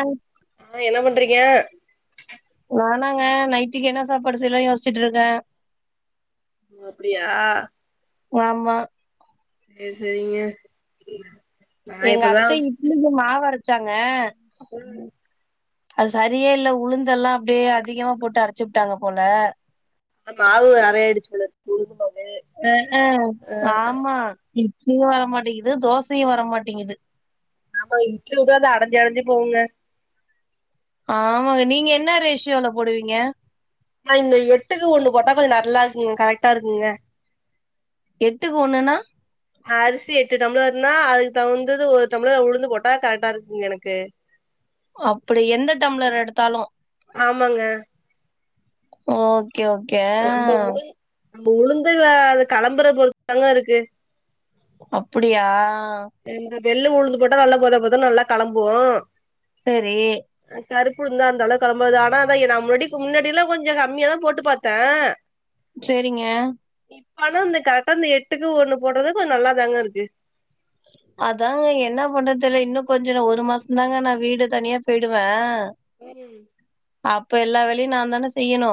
ஆ ஆ என்ன பண்றீங்க நானாங்க நைட்டுக்கு என்ன சாப்பாடு செய்லா யோஸ்சிட்ருக்கே அப்டியா ஆமா சேரி செய்ங்க எங்க அத்த இட்லிக்கு மாவ் அரச்சாங்க ம் அது சரியே இல்ல உளுந்தல்லா அப்டியே அதிகமா போட்டு அரச்சுபுடாங்க போல ஆ மாவு அரையாய்டுச்சு போல இருக்கு உளுந்து மாவு அ அ ஆ ஆமா இட்லியு வரமாட்டிகுது தோசயு வரமாட்டிங்குது அப்ப இட்லி உக்காந்து அடஞ்சு அடஞ்சு போகுங்க ஆமாங்க நீங்க என்ன ரேஷியோல போடுவீங்க ஆ இந்த எட்டுக்கு ஒண்ணு போட்டா கொஞ்சோ நல்லா இருக்குங்க கரெக்ட்டா இருக்குங்க எட்டுக் ஒண்ணுணா அரிசி எட்டு டம்ளர் நா அதுக் தகுந்தது ஒரு டம்ளர் உளுந்து போட்டா கரெக்ட்டா இருக்குங்க எனக்கு அப்டி எந்த டம்ளர் எடுத்தாலு ஆமங்க ஓ ஓகே ஓகே அ. நம்ப உளுந் நம்ப உளுந்து அத கெளம்பற பொறுத்துதாங்க இருக்கு அப்புடியா இந்த வெள்ள உளுந்து போட்டா நல்லா பொத பொத நல்லா களம்பு சேரி அ கருப்பு உளுந்து அந்தளவுக் களம்பாது ஆனா அதா நா முன்னாடிக் முன்னாடிலா கொஞ்சோ கம்மியாதா போட்டு பாத்தே சேரிங்க இப்ப ஆனா அந்த கரெக்ட்டா இந்த எட்டுக்கு ஒண்ணு போட்டாதா கொஞ்சோ நல்லாதாங்க இருக்கு அதாங்க என்ன பண்றது தெர்ல இன்னு கொஞ்சோ ஒரு மாச தாங்க நா வீடு தனியா பேய்டுவே ம் அப்ப எல்லா வேலயு நா தான செய்யணு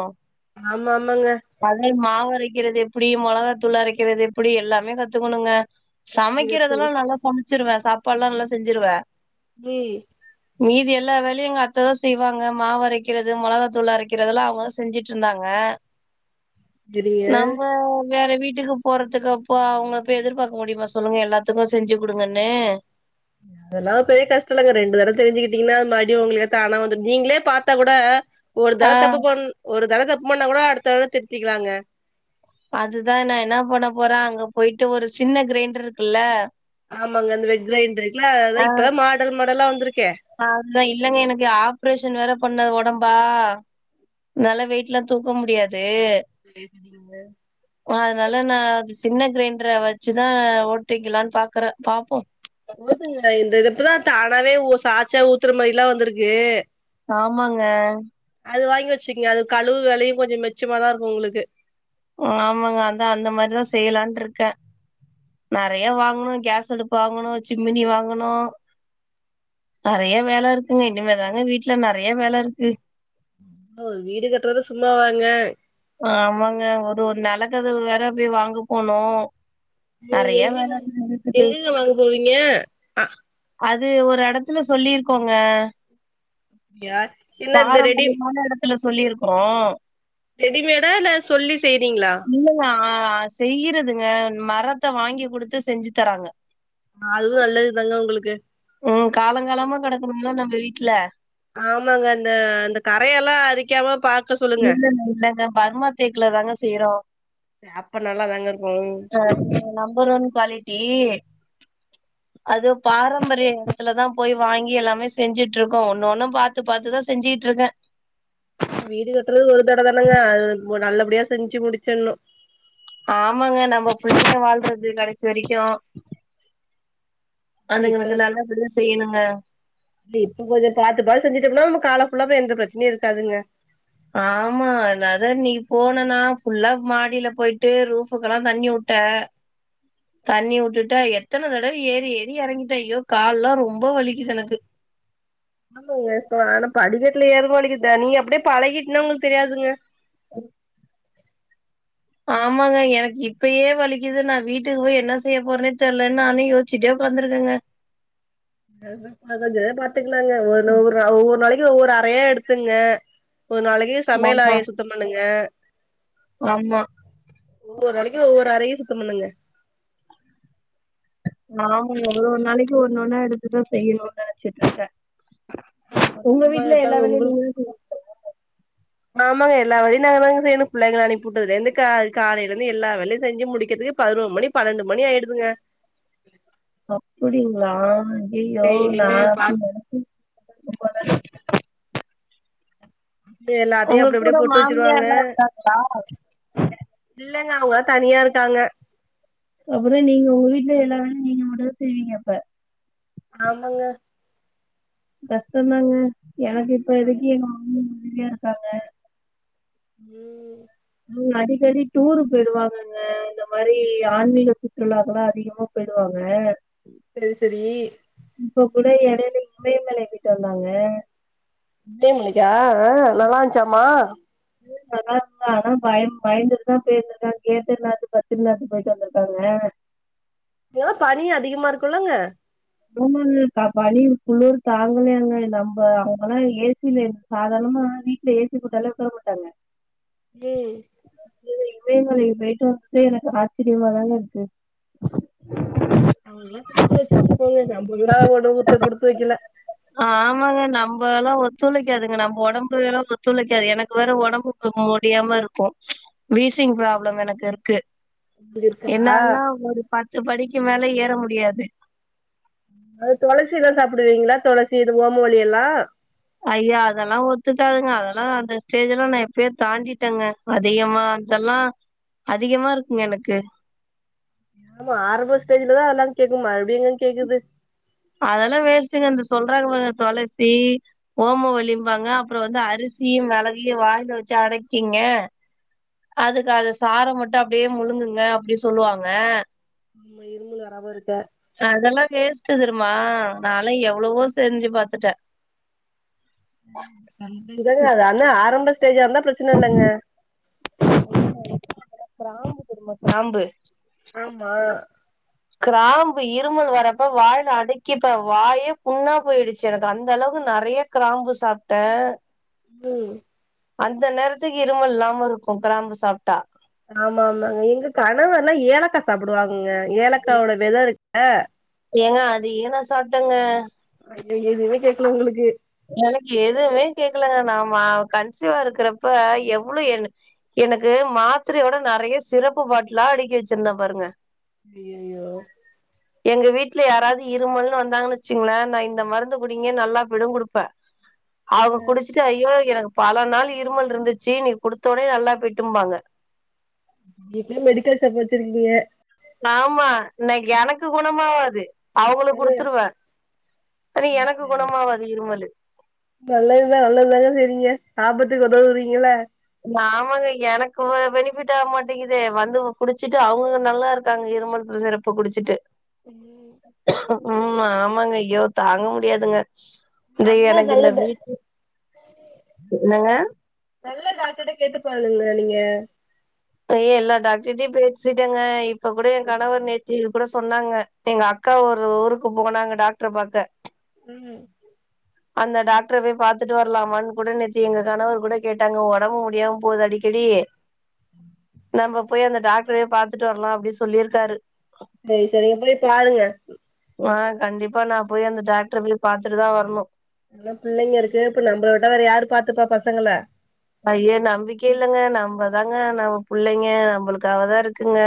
ஆமாமாங்க அத மாவு அரைக்கிறது எப்டி மொளகா தூள் அரைக்கறது எப்படி எல்லாமே கத்துக்கணுங்க [unintelligible] அதுலா நல்லா சமச்சிருவே சாப்பாட்ல்லா நல்லா செஞ்சிருவே வி மீதி எல்லா வேலையு எங்க அத்ததா செய்வாங்க மாவு அரைக்கிறது மொளகா தூள் அரைக்கிறதுல்லா அவுங்கதா செஞ்சுட்ருந்தாங்க செரிங்க நம்ம வேற வீட்டுக்கு போறதுக்கு அப்ப அவுங்க இப்ப எதிர்பாக்க முடியுமா சொல்லுங்க எல்லா த்துக்கு செஞ்சு குடுங்கன்ணு அதெல்லா பெரியே கஷ்ட இல்லங்க ரெண்டு தர தெரிஞ்சுட்டீங்னா அது மறுடியு உங்களுக்கு தானா வந்துரு நீங்களே பாத்தா கூட ஒரு தட ஆ தப்பு பண் ஒரு தட தப்பு பண்ணா கூட அடுத்த திருத்திக்லாங்க அதுதா நான் என்ன பண்ண போறே அங்க போயிட்டு ஒரு சின்ன கிரைண்டர் இருக்குல்ல ஆமாங்க அந்த வெட் கிரைண்ட்ரு இருக்குல அதா இப்பதா மாடல் மாடல்லா வந்துருக்கே அதா இல்லங்க எனக்கு ஆப்ரேஷன் வேற பண்ண ஒடம்பா என்னால வெயிட்லா தூக்க முடியாது தேடுனீங்க அதனால நா விஸ் சின்ன கிரைண்டர வச்சுதா ஓட்டிக்கலான் பாக்றே பாப்போ போதுங்க இந்த இது இப்பதா தானாவே ஓ சாச்சா ஊத்ற மாரில்லா வந்துருக்கு ஆமாங்க அது வாங்கி வச்சுக்கங்க அது கழுவு வேலையு கொஞ்சோ மிச்சமா தா இருக்கு உங்களுக்கு ஆமாங்க அதா அந்த மாரிதா செய்யலான் ருக்கே நெறைய வாங்கணு கேஸ் அடுப்பு வாங்கணு சிம்மினி வாங்கணு நெறைய வேல இருக்குங்க இனிமே தாங்க வீட்ல நெறைய வேல இருக்கு [unintelligible] வீடு கட்றது சும்மா வாங்க ஆமாங்க ஒரு ஒரு நெலகதவு வேற போய் வாங்க போனு நீ நெறைய வேல எங்கங் இருக்குது எங்கங்க வாங்க போவீங்க அது ஒரு எடத்துல சொல்லிருக்கோங்க அப்டியா என்ன இந்த ரெடி பாரம்பரியமான எடத்துல சொல்லிருக்கிறோ ரெடிமேடா இல்ல சொல்லி செய்றீங்களா இல்லங்க அ அ செய்யிறதுங்க மரத்த வாங்கி குடுத்து செஞ்சு தராங்க அதுவு நல்லது தாங்க உங்களுக்கு ம் காலங்காலமா கெடக்குணும்ள நம்ம வீட்ல ஆமாங்க இந்த இந்த கரையெல்லா அரிக்காம பாக் இல்லங்க இல்லங்க பர்மா தேக்ல தாங்க செய்யிறோ அப்ப நல்லாதாங்க இருக்கு அ நம்பர் ஒன் குவாலிட்டி அது பாரம்பரிய எடத்துல தா போய் வாங்கி எல்லாமே செஞ்சீட் இர்க்கோ ஒன்னு ஒன்னு பாத்து பாத்துதா செஞ்சீட் இருக்கே வீடு கட்றது ஒரு தடவ தானங்க அது நல்லபடியா செஞ்சு முடிச்சின்ணு ஆம்மாங்க நம்ம புள்ளங்க வாழ்றது கடைசி வரிக்கு இப்ப அதுங்களுக்கு நல்லா படியா செய்யிணுங்க இல்ல இப்ப கொஞ்சோ பாத்து பாத்து செஞ்சிட்டோம்னா நம்ம கால ஃபுல்லாவே எந்த பிரச்சனையு இருக்காதுங்க ஆமா நாதா நீ போனனா ஃபுல்லா மாடியில போயிட்டு ரூஃபுக்கெல்லா தண்ணி வுட்ட [inaudible] தண்ணி வுட்டுட்டா எத்தன தடவ ஏறி ஏறி எறங்கிட்ட ஐயோ கால்லா ரொம்ப வலிக்குது எனக்கு அ ஆனா படிக்கட்ல ஏறுபோது வலிக்கு நீ அப்டியே பழகிட்ன்னா உங்களுக்கு தெரியாதுங்க [inaudible] ஆமாங்க எனக்கு இப்பயே வலிக்குது நா வீட்டுக்கு போய் என்ன செய்ய போறேனே தெரில நானு யோ ச்சிட்டே உக்காந்துருக்கங்க [unintelligible] கொஞ்சநேரோ பாத்துக்குலாங்க ஒவொன்ன ஒவ்வொரு ஒவ்வொரு நாளைக் ஒவ்வோரு அரையா எடுத்துங்க ஒரு நாளைக்கு சமையல் ஆமா, அரய சுத்த பண்ணுங்க ஆமா ஒவ்வொருளைக்கு ஒவ்வோரு அரையு சுத்தம் பண்னுங்க நாங்களு எவ்ளோ நாளைக்கு ஒன்னொன்னா எடுத்துட்டு செய்யுணு நெனச்சிட்டு இர்க்க உங்க சும்மா வீட்ல எல்லா இருக்காங்க வேலயு உங்களுக்கு நீங்கதா செய் ஆமாங்க எல்லா வேலயு நாங்கதாங்க செய்யிணு புள்ளங்கள அனுப்பிவுட்டதுல இருந்து கால் காலையில இருந்து எல்லா வேலயு செஞ்சுமுடிக்கிறதுக்கு பதினொரு மணி பண்ணண்டு மணி ஆயிடுதுங்க அப்டிங்களா ஐஐயோ நா டெய்லியுமே அப்டி நெனச்சிருப்ப போல எல்லாத்தியு உங்க அப்டி அப்டியே கூட போட்டு வச்சிருவாங்க மாமியார்லாம் இல்லங்க அவுங்க தனியா இருக்காங்க அப்றோ நீங்க உங்கவீட்ல எல்லா வேலயு நீங்க மட்டுதா செய்வீங்க அப்ப ஆம்மங்க கஷ்டதாங்க எனக்கு இப்போதைக்கு எங்க அம்மா மாரி இருக்காங்க ம் ம் அடிக்கடி டூரு போயிடுவாங்கங்க இந்த மாரி ஆன்மீக சுற்றுலாக்கலா அதிகமா போயிடுவாங்க [inaudible] சேரி சேரி இப்ப கூட எடையில இமயமலை போயிட்டு வந்தாங்க இடேநெல்லிக்கா ஆ நல்லா இருந்துச்சாமா நல்லா இருந்த ஆனா பயம் பயந்துட்டுதா போயிருந்திருக்காங்க கேதர்நாத்து பத்திரிநாத்து போயிட்டு வந்துருக்காங்க தோ பனி அதிகமா இருக்குல்லங்க ரூம்முல்ல பனி குளூர் தாங்களலயாகங்க நம்ம அவங்கெல்லா ஏ சி ல சாதாரணமா வீட்ல ஏசி போட்டால உக்கார மாட்டாங்க ஏ இவரு இமயமலை போயிட்டு வந்துட்டு எனக்கு ஆச்சரியமாதாங்க இருக்கு [inaudible] அவுங்கெல்லா குடுத்து வச்சிருக்கு போங்க நம்மகெல்லா ஒணவுத்த குடுத்து வக்கல ஆமாங்க நம்ம எல்லா ஒத்துழைக்காதுங்க நம்ம ஒடம்பு எல்லா ஒத்துழைக்காது எனக்கு வேற ஒடம்பு அ முடியாம இருக்கு வீசிங் ப்ராப்ளம் எனக்கு இருக்கு இப்டி இருக்கா என்னாலலா ஒரு ப பத்து படிக்கு மேல ஏற முடியாது அது தொளசி எல்லா சாப்டுவீங்களா தொளசி இது ஓமவள்ளி எல்லா ஐய அதெல்லா ஒத்துகாதுங்க அதெல்லா அந்த ஸ்டேஜ் எல்லா நா எப்பயே தாண்டிட்டேங்க அதிகமா இதெல்லா அதிகமா இருக்குங்க எனக்கு ஆமா ஆரம்படேஜ்லதா அதெல்லா கேக்கு மறுபடி எங்க கேக்குது அதெல்லா வேஸ்டுங்க அந்த சொல்றாங்பாருங்க தொளசி ஓமவள்ளிம்பாங்க அப்பற வந்து அரிசியு மெளகயு வாயில வச்சு அடைக்கிங்க அதுக்கு அது சார மட்டு அப்டியே முழுங்குங்க அப்டி சொல்லுவாங்க ஆமா இருமல் வராம இருக்க அதெல்லா வேஸ்ட்டு தெருமா நாலா எவ்ளவோ செஞ்சு பாத்துட்டே இதங்க அது அன்னா ஆரம்ப ஸ்டேஜ்ஜா இருந்தா பிரெச்சன இல்லங்க கிராம்பு தெரியுமா கிராம்பு ஆம் மா கிராம்பு இருமல் வரப்ப வாய்ல அடக்கிப்பே வாயே புண்ணா போயிருச்சு எனக்கு அந்த அளவுக்கு நெறைய கிராம்பு சாப்டே ம் அந்த நேரத்துக்கு இருமல் இல்லாம இருக்கு கிராம்பு சாப்டா ஆமா ஆமாங்க எங்க கணவர்ல்லா ஏலக்கா சாப்டுவாங்கங்க ஏலக்காவோட வெத இருக்கு அ ஏங்க அதையு நா சாப்டேங்க அய்யய்யோ எதுமே கேட்கல உங்களுக்கு எனக்கு எதுமே கேக்கலங்க நா மா கன்சிவா இருக்றப்ப எவ்ளோ என்ன எனக்கு மாத்தரய விட நெறைய சிரப்பு பாட்லா அடிக்கி வெச்சிருந்தே பாருங்க அய்யய்யோ எங்க வீட்ல யாராவது இருமல்ன்னு வந்தாங்கன்னு வச்சுங்ளே நா இந்த மருந்து குடிங்க நல்லா பெய்டு குடுப் ப்ப அவுங்க குடிச்சிட்டு ஐயோ எனக்கு பல நாள் இருமல் ருந்துச்சி நீ குடுத்தோடே நல்லா போய்ட்டு பாங்க இப்பியு மெடிக்கல் ஷாப் வச்சிருக்கீங்க ஆமா இன்னைக்கி எனக்கு குணமாவாது அவுங்குளுக்கு குடுத்துருவே அது எனக்கு குணமாவாது இருமலு நல்லதுதா நல்லதுதாங்க செய்ரிங்க ஆபத்துக்கு உதவுறீங்கல்ல ஆமாங்க எனக்கு ஒரு பெனிஃபிட் ஆகமாட்டீங்கிது வந்து குடிச்சிட்டு அவுங்க நல்லா இருக்காங்க இருமல் சிரப் பு குடிச்சிட்டு அய்யு ம் ம் ஆமாங்க ஐயோ தாங்க முடியாதுங்க இது நல்ல எனக்கு இந்த நல்லது வீட்டு என்னங்க நல்ல டாக்டர் ட்ட கேட்டு சொல்லுங்க நீங்க ஏய் எல்லா டாக்டர்கிட்டயு பேசிட்டேங்க இப்ப கூட ஏன் கணவர் நே இவுங் கூட சொன்னாங்க எங்க அக்கா ஒரு ஊருக்கு போனாங்க டாக்டர் பாக்க உ அந்த டாக்டர் போய் பாத்துட்டு வரலாமானு கூட நேத்தி எங்க கணவர் கூட கேட்டாங்க ஒடம்பு முடியாம போது அடிக்கெடி நம்ப போய் அந்த டாக்ரே பாத்துட்டு வரலா அப்டி சொல்லியிருக்காரு செரி செரிங்க எப்டினு பாருங்க ஆ கண்டிப்பா நா போய் அந்த டாக்ட்ர போய் பாத்துட்டு தா வரணு ஆனா பிள்ளைங்க இருக்கு இப்ப நம்ப விட்ட வேற யாரு பாத்துப்பா பசங்கள ஐய நம்பிக்கே இல்லங்க நம்பதாங்க நம்ம பிள்ளைங்க நம்ளுக்காக தா இருக்குங்க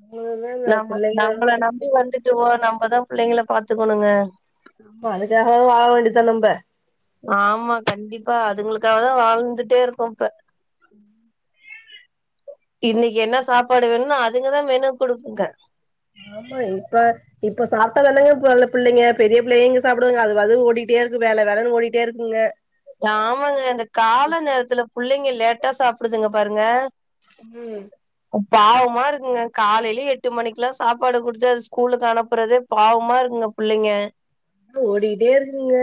நம்மள நம்ம பிள்ளைங்க நம்பள நம்பி வந்து வோ நம்பதா பிள்ளைங்கள பாத்துக்கோணங்க ஆமா அதுக்காக வாழ வேண்டிதா நம்ப ஆமா கண்டிப்பா அதுங்ளுக்காகதா வாழ்ந்துட்டே இருக்கோ இப்ப ம் இன்னக்கி என்ன சாப்பாடு வேணும்னு அதுங்கதா மெனு குடுக்குங்க ஆமா இப்ப இப்ப சாப்ட்டா தானங்க ப புள்ளைங்க பெரிய புள்ளையே இங்க சாப்டுதுங்க அது அது ஓடிகிட்டே இருக்கு வேலை வேலன்னு ஓடிட்டே இருக்குங்க ஆமாங்க இந்த கால நேரத்துல புள்ளைங்க லேட்டா சாப்டுதுங்க பாருங்க ஒன்னு பாவமா இருக்குங்க காலைலயே எட்டு மணிக்லா சாப்பாடு குடுத்து அது ஸ்கூலுக்கு அனுப்புறதே பாவ்மா இருகுங்க புள்ளைங்க ஆ ஓடிட்டே இருக்குதுங்க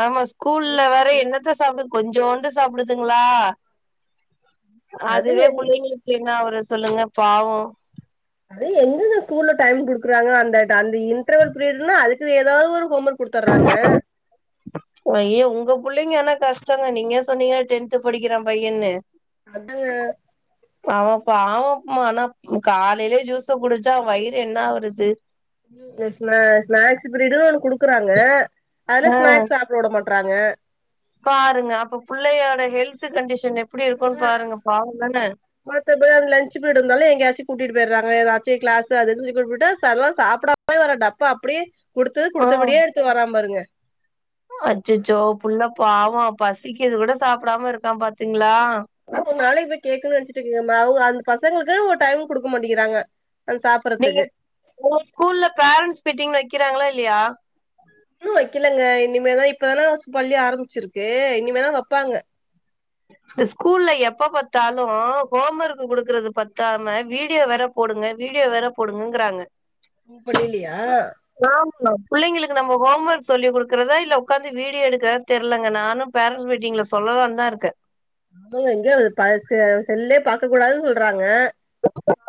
ஆமா ஸ்கூல்ல வேற என்னத்த சாப்டு கொஞ்சோண்டு சாப்டுதுங்ளா அது அதுவே புள்ளைங்ளுக்கு என்னா ஆவுரது சொல்லுங்க பாவோ அது எங்கங்க ஸ்கூல்ல டைம் குடுக்குறாங்க அந்த அந்த இன்டர்வல் பீரிட்ன்னா அதுக்கு ஏதாவது ஒரு ஹோம் ஒர்க் குடுத்தர்றாங்க ஐயோ உங்க புள்ளைங்க ஏன்னா கஷ்டங்க நீங்க சொன்னீங்க டென்த் படிக்கிறா பையன்னு அது அவ பாவமா ஆனா ஹு காலைலயே ஜூச குடிச்சா வயிறு என்ன ஆவுரது ஸ்னாக்ஸ் ஸ்னாக்ஸ் பிரியரு குடுக்குறாங்க அதெல ஆ ஸ்னாக்ஸ் சா ஓட மாட்றாங்க பாருங்க அப்ப புள்ளையோட ஹெல்த் கண்டிஷன் எப்டி இருக்கோ பாருங்க பாருங்கன்ன மத்தபடி லன்ச் பீரியட் வந்தாலு எங்காச்சி கூட்டிட்டு போய்றாங்க ஏதாச்சி கிளஸ்சு அதுஇதுனு கூட்டிட்டு சல நேரோ சாப்டாம அப்பயு வர டப்பா அப்டியே குடுத்து ஆ குடுத்தபடியே எடுத்து வரா பாருங்க அச்சச்சோ புல்ல பாவோ பசிக்குது கூட சாப்பிடாம இருக்கா பாத்தீங்களா ஒரு நாளைக்கி போய் கேட்கணு நனச்சி இருக்கே அந்த பசங்களுக்கு ஒரு டைம் குடுக்க மாட்டேங்கிறாங்க சாப் நீங்க ப்ரத்துக்கு உங்க ஸ்கூல்ல பேரண்ஸ் மீட்டிங்னு வைக்கிறாங்களா இல்லயா இன்னு வக்கலங்க இனிமேதா இப்பதானே பள்ளி ஆரம்பிச்சிருக்கு இனிமேதா வப்பாங்க ஸ்கூல்ல எப்ப பாத்தாலு இப்போ ஹோம் வொர்க் குடுக்கறது பத்தாம வீடியோ வேற போடுங்க வீடியோ வேற போடுங்கங்றாங்க ப்பள்ளிலலையா ஆமா புள்ளிங்களுக்கு நம்ம ஹோம் ஒர்க் சொல்லி குடுக்குறதா இல்ல உக்காந்து வீடியோ எடுக்கிறதா தெரியிலங்க நானு பேரன்ஸ் மீட்டிங்ல சொல்லாந்தா இருக்க ஆ இங்க எங்க செல்லே பாக்க கூடாதுன்னு சொல்றாங்க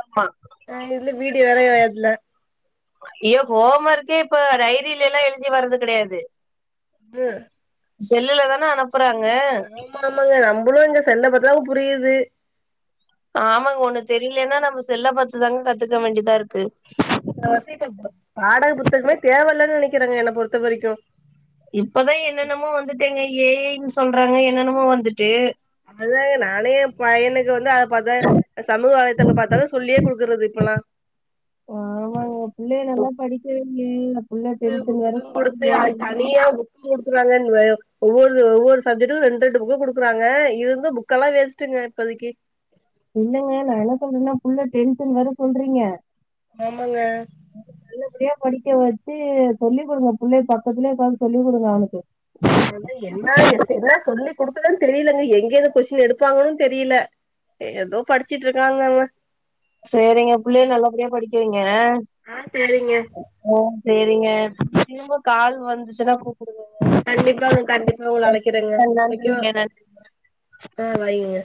ஆமா. ஆ இதுல வீடியோ வேற இடைல்ல ஐய்யோ ஹோம் ஒர்க்கே இப்ப டைரியில லா எழுதி வர்றது கடையாது ம் செல்லுல தான அனுப்புறாங்க ஆமா ஆமாங்க நம்மளு அந்த செல்ல பாத்தா தா புரியிது ஆமாங்க ஒண்ணு தெரியலன்னா நம்ம செல்ல பாதுதாங்க கத்துக்க வேண்டியதா இருக்கு வந்து இப்ப பாடக புத்தகமே தேவ இல்லனு நனக்கிறேங்க என்ன பொறுத்த வரைக்கு இப்பதா என்னென்னமோ வந்திட்டேங்க ஏ ஐய்ன்னு சொல்றாங்க என்னனமோ வந்துட்டு அதுதா நானே எ பையனுக்கு வந்து அத பாத்துதா சமூக வலைதளத்த பாத்துதாங்க சொல்லியே குடுக்குறது இப்பல்லா ஆமாங்க புள்ளயா நல்லா படிக்க வைங்க புள்ள புக்கு வேற புக்கு குடுத்து சொல்றீங்க. அது தனியா கொடுக்குறாங்க ஒவ்வொரு ஒவ்வொரு சப்ஜெக்டுக்கு ரெண்டு ரெண்டு புக்கு கொடுக்குறாங்க இது வந்து பு க்கெல்லா வேஸ்ட்டுங்க இப்போதைக்கு இல்லங்க நா என்ன சொல்றனா புள்ள டென்துனு வேற சொல்றீங்க ஆமாங்க ஹலோ எப்டியா படிக்க வச்சி சொல்லி் குடுங்க புள்ளய பக்கத்துலேயே உக்காந்து சொல்லி் குடுங்க அவனுக்கு ஆ என்ன என்ன சொல்லி குடுக்கணு தெரியிலிங்க எங்கேருந்து கொஸ்டின் எடுப்பாங்கன்னு தெரில ஏதோ படிச்சிட்டு இருக்காங்க அவ சேரிங்க புள்ளய நல்லபடியா படிக்க வைய்ங்க ஆ சேரிங்க ஆ சேரிங்க திருப்ப கால் வந்துச்சுன்னா கூப் கண்டிப்பாங்க கண்டிப்பா உங்கள அழைக்கிறங்க வைக்கவா நன்றிங்க. நன்றி. ஆ வைங்கங்க